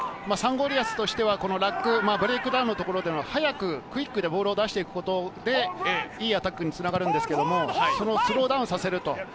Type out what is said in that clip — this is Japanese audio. サンゴリアスとしてはブレイクランのところで速く、クイックでボールを出していくことでいいアタックにつながるんですけど、スローダウンさせる。